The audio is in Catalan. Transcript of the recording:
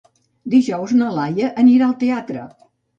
Dijous na Laia anirà al teatre.